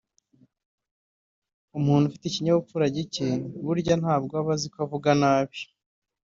Umuntu ufite ikinyabupfura gike burya nta nubwo aba azi ko avuga nabi